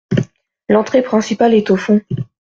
L’entrée principale est au fond.